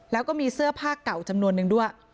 แล้วก็มีเสื้อผ้าเก่าจำนวนนึงด้วย